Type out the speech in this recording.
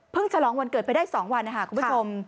ฉลองวันเกิดไปได้๒วันนะคะคุณผู้ชม